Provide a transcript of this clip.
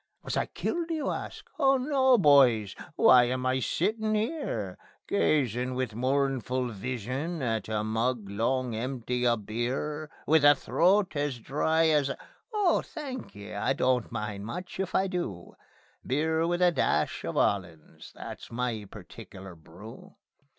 Was I killed, do you ask? Oh no, boys. Why am I sittin' 'ere Gazin' with mournful vision at a mug long empty of beer? With a throat as dry as a oh, thanky! I don't much mind if I do. Beer with a dash of 'ollands, that's my particular brew.